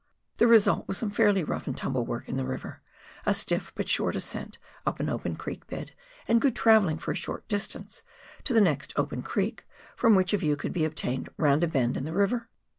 The result was some fairly rough and tumble work in the river, a stiff but short ascent up an open creek bed and good travelliag for a short distance to the next open creek from which a view could be obtained round a bend in the river.